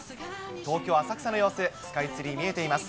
東京・浅草の様子、スカイツリー、見えています。